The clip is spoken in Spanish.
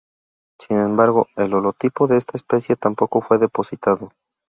Sin embargo, el holotipo de esta especie tampoco fue depositado.